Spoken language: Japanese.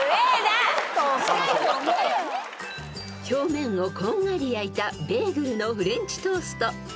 ［表面をこんがり焼いたベーグルのフレンチトースト］